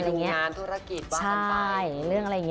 ไปดูงานธุรกิจว่าสรรพาย